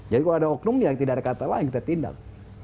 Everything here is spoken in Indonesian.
kalau ada oknum ya tidak ada kata lain kita tindak